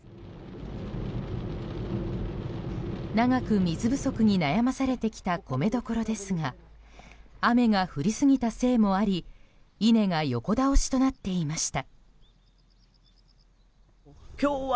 長く水不足に悩まされてきた米どころですが雨が降りすぎたせいもあり稲が横倒しとなっていました。